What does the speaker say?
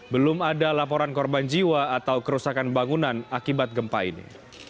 belum ada laporan korban jiwa atau kerusakan bangunan akibat gempa ini